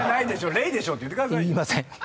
令でしょ！」って言ってください。